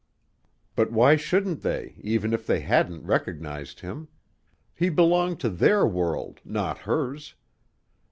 But why shouldn't they, even if they hadn't recognized him? He belonged to their world, not hers.